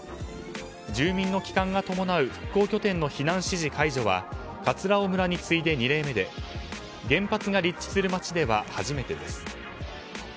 住民の帰還が伴う復興拠点の避難指示解除は葛尾村に次いで２例目で原発が立地する町では初めてです。